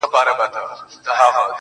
څومره چي تیاره وي څراغ ښه ډېره رڼا کوي-